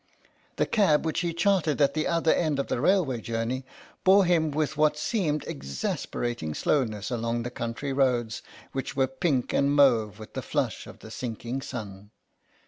The cab which he chartered at the other end of the railway journey bore him with what seemed exasperating slowness along the country roads, which were pink and mauve with the flush of the sinking sun.